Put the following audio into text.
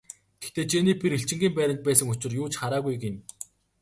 Гэхдээ Женнифер элчингийн байранд байсан учир юу ч хараагүй гэнэ.